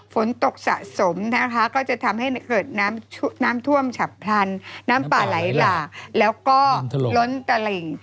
ฝนตกสะสมนะคะก็จะทำให้เกิดน้ำท่วมฉับพลันน้ำป่าไหลหลากแล้วก็ล้นตะหลิ่ง